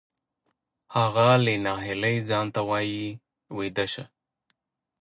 هغه له ناهیلۍ ځان ته وایی ویده شه